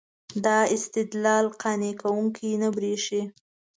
دا استدلال قانع کوونکی نه برېښي.